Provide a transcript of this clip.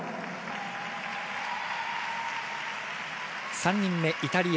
３人目、イタリア。